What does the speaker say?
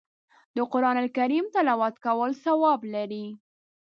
د قرآن کریم تلاوت کول ثواب لري